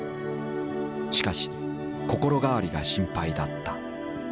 しかし心変わりが心配だった。